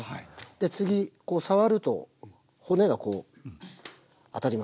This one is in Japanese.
で次触ると骨がこう当たります。